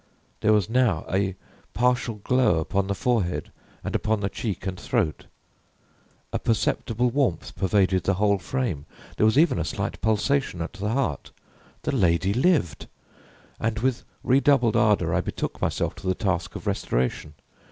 There was now a partial glow upon the forehead and upon the cheek and throat; a perceptible warmth pervaded the whole frame; there was even a slight pulsation at the heart. The lady lived; and with redoubled ardor I betook myself to the task of restoration.